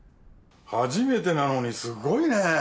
初めてなのにすごいね。